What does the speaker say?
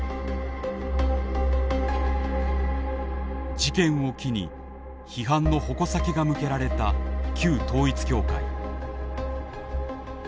事件を機に批判の矛先が向けられた旧統一教会。